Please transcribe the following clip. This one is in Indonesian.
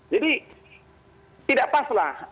jadi tidak pas lah